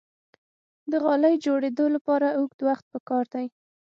د غالۍ جوړیدو لپاره اوږد وخت پکار دی.